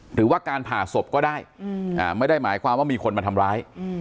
หรือว่าการผ่าศพก็ได้ไม่ได้หมายความว่ามีคนมาทำร้าย